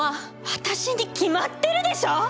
私に決まってるでしょ！